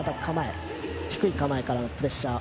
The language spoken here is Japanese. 低い構えからのプレッシャー。